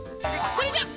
それじゃあ。